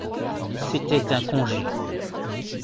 C'était un congé.